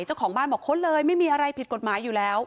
เจ้าของบ้านบอกค้นเลยไม่มีอะไรผิดกฎหมายอยู่แล้ว